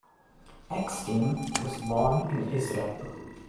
Eckstein was born in Israel.